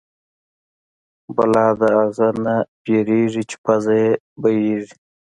بلا د اغه نه وېرېږي چې پزه يې بيېږي.